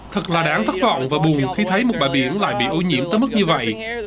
thật là đáng thất vọng và buồn khi thấy một bãi biển lại bị ô nhiễm tới mức như vậy